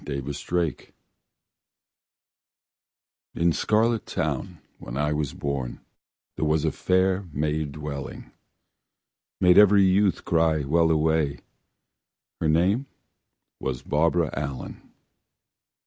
Barbara Allan In Scarlet town, where I was born, There was a fair maid dwellin', Made every youth cry Well a way! Her name was Barbara Allen.